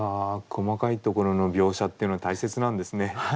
細かいところの描写っていうのは大切なんですね。